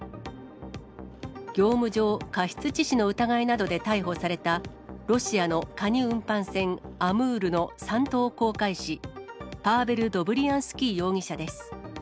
業務上過失致死の疑いなどで逮捕された、ロシアのカニ運搬船、アムールの３等航海士、パーベル・ドブリアンスキー容疑者です。